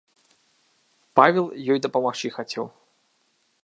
Павел ёй дапамагчы хацеў.